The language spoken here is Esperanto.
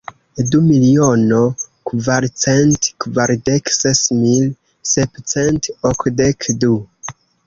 Du miliono, kvarcent kvardek ses mil, sepcent okdek du.